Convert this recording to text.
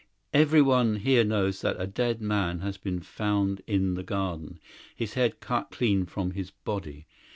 "Everyone here knows that a dead man has been found in the garden, his head cut clean from his body.